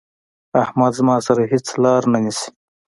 احمد زما سره هيڅ لار نه نيسي.